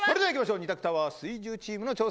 ２択タワー水１０チームの挑戦。